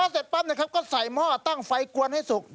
เสร็จปั๊บนะครับก็ใส่หม้อตั้งไฟกวนให้สุก